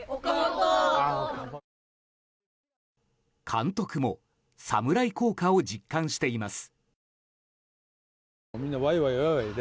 監督も侍効果を実感しています。